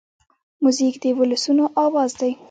موزیک د ولسونو آواز دی.